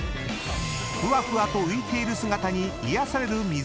［ふわふわと浮いている姿に癒やされる］